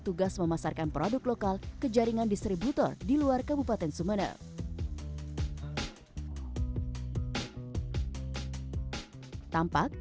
tugas memasarkan produk lokal ke jaringan distributor diluar kabupaten sumenep tampak